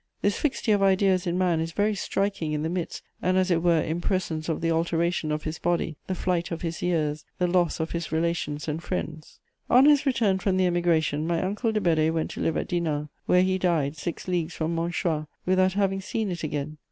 This fixity of ideas in man is very striking in the midst and as it were in presence of the alteration of his body, the flight of his years, the loss of his relations and friends. [Sidenote: Death of my uncle de Bedée.] On his return from the Emigration, my uncle de Bedée went to live at Dinan, where he died, six leagues from Monchoix, without having seen it again.